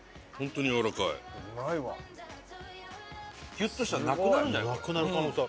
ギュッとしたらなくなるんじゃない？